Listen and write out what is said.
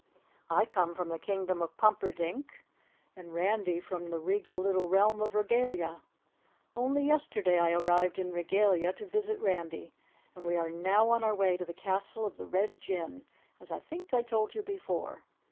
"I come from the Kingdom of Pumperdink, and Randy from the Regal little realm of Regalia. Only yesterday I arrived in Regalia to visit Randy, and we are now on our way to the castle of the Red Jinn, as I think I told you before.